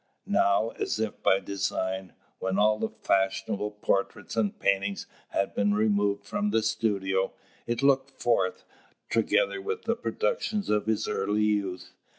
Now, as if by design, when all the fashionable portraits and paintings had been removed from the studio, it looked forth, together with the productions of his early youth.